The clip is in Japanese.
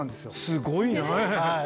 すごいね。